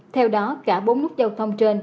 theo đó cả bốn nút giao thông trên